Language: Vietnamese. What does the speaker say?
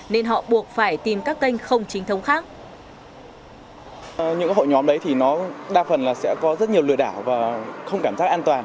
nên họ buộc phải tìm các kênh không chính thống khác